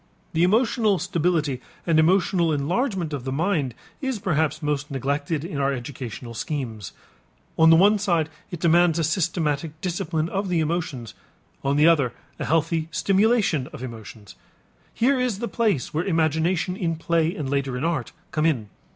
The emotional stability and emotional enlargement of the mind is perhaps most neglected in our educational schemes. On the one side it demands a systematic discipline of the emotions, on the other a healthy stimulation of emotions. Here is the place where imagination in play and later in art come in.